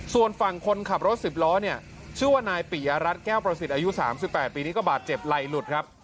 ส่วนฝั่งคนขับรถ๑๐ล้อเนี่ยชื่อว่านายปิยรัฐแก้วประสิทธิ์อายุ๓๘ปีนี้ก็บาดเจ็บไหลหลุดครับ